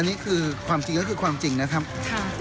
อันนี้คือความจริงว่าความจริงนะครับ